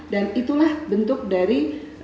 dan itulah bentuk dari